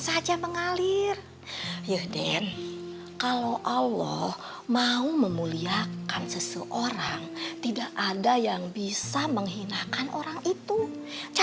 saja mengalir yuh den kalau allah mau memuliakan seseorang tidak ada yang bisa menghinakan orangnya